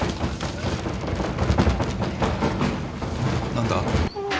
何だ？